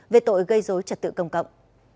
về tội gây dối trật tự công cộng